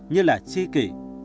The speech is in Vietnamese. như là tri kỷ